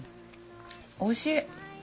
おいしい。